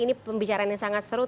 ini pembicaraan yang sangat seru